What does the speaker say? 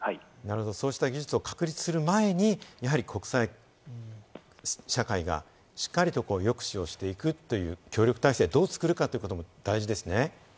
そうした技術を確立する前に国際社会がしっかりと抑止をしていく、協力体制をどう作るかということも大事ですね。